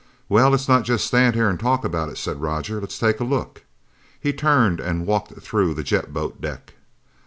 "Well, let's not just stand here and talk about it," said Roger. "Let's take a look!" He turned and walked through the jet boat deck.